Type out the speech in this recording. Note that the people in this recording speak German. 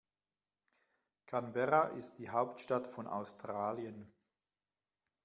Canberra ist die Hauptstadt von Australien.